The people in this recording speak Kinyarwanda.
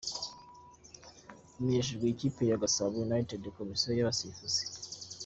Bimenyeshejwe: - Ikipe ya Gasabo United - Komisiyo y’Abasifuzi.